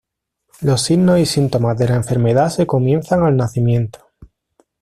Los signos y síntomas de la enfermedad se comienzan al nacimiento.